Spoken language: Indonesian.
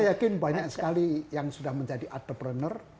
saya yakin banyak sekali yang sudah menjadi entrepreneur